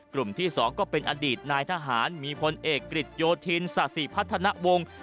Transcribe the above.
กลุ่มที่สองก็เป็นอดีตนายทหารมีพลเอกกริจโยธินสะสิพัฒณาวง